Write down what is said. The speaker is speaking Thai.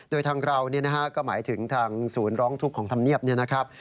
โดยทางราวก็หมายถึงทางศูนย์ร้องทุกของธรรมเนียบ